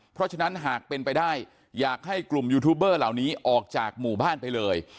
เพราะฉะนั้นหากเป็นไปได้อยากให้กลุ่มยูทูบเบอร์เหล่านี้ออกจากหมู่บ้านไปเลย